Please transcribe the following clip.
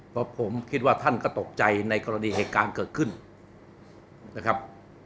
เพราะผมคิดว่าท่านก็ตกใจในกรณีเหตุการณ์เกิดขึ้นนะครับ